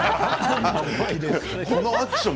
このアクション